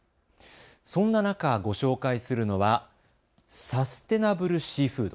そんな中、ご紹介するのはサステナブルシーフード。